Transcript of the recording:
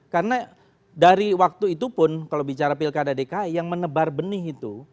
karena dari waktu itu pun kalau bicara pilkada dki yang menebar benih itu